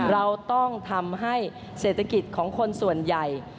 เราต้องทำให้เศรษฐกิจของคนส่วนใหญ่